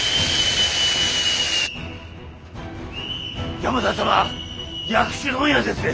山田様薬種問屋ですぜ！